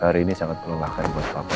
hari ini sangat kelelahan buat papa